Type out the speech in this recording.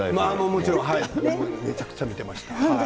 もちろんめちゃくちゃ見てました。